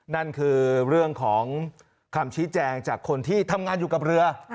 นั่นคือเรื่องของคำชี้แจงจากคนที่ทำงานอยู่กับเรือ